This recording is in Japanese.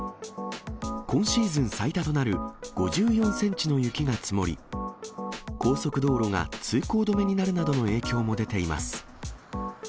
今シーズン最多となる５４センチの雪が積もり、高速道路が通行止めになるなどの影響も出ています。